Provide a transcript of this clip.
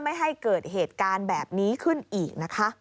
ไม่ให้เกิดเหตุการณ์แบบนี้ขึ้นอีกนะคะ